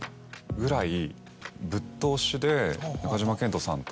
ぐらい。